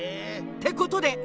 ってことで。